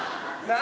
何？